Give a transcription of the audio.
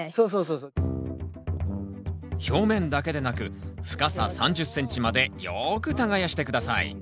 表面だけでなく深さ３０ｃｍまでよく耕して下さい。